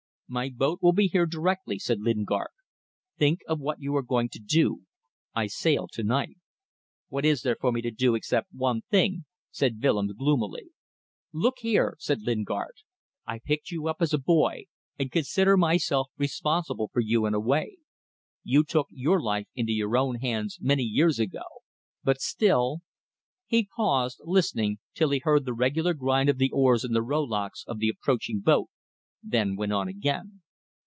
"My boat will be here directly," said Lingard. "Think of what you are going to do. I sail to night." "What is there for me to do, except one thing?" said Willems, gloomily. "Look here," said Lingard; "I picked you up as a boy, and consider myself responsible for you in a way. You took your life into your own hands many years ago but still ..." He paused, listening, till he heard the regular grind of the oars in the rowlocks of the approaching boat then went on again.